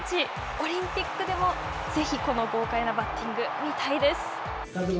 オリンピックでもぜひこの豪快なバッティング、見たいです。